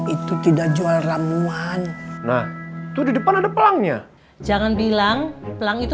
itu tidak jual ramuan nah itu di depan ada pelangnya jangan bilang pelang itu